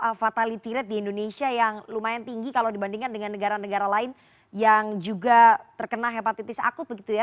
karena fatality rate di indonesia yang lumayan tinggi kalau dibandingkan dengan negara negara lain yang juga terkena hepatitis akut begitu ya